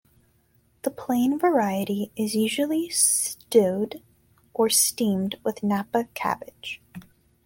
The plain variety is usually stewed or steamed with napa cabbage.